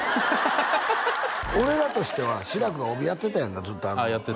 ハハハハ俺らとしては志らくが帯やってたやんかずっとあれ